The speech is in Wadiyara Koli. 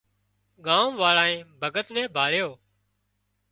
ڳام واۯانئين ڀڳت نين ڀاۯيو